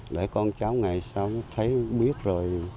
để con cháu ngày sau thấy biết rồi